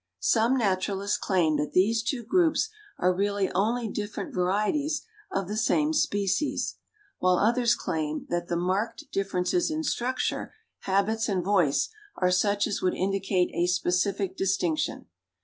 Some naturalists claim that these two groups are really only different varieties of the same species, while others claim that the marked differences in structure, habits and voice are such as would indicate a specific distinction.